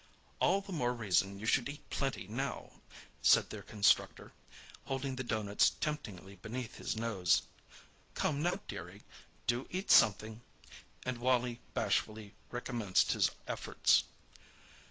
"All the more reason you should eat plenty now," said their constructor, holding the doughnuts temptingly beneath his nose. "Come now, dearie, do eat something!" and Wally bashfully recommenced his efforts.